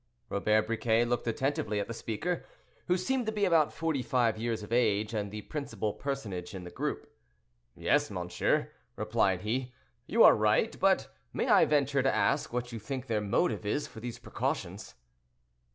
Robert Briquet looked attentively at the speaker, who seemed to be about forty five years of age, and the principal personage in the group. "Yes, monsieur," replied he, "you are right: but may I venture to ask what you think their motive is for these precautions?"